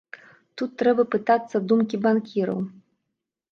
Тут трэба пытацца думкі банкіраў.